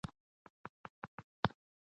دا د دوی بنسټیز حق دی.